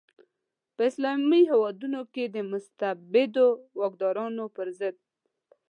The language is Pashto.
په اسلامي هیوادونو کې د مستبدو واکدارانو پر ضد.